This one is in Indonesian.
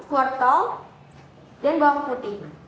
wortel dan bawang putih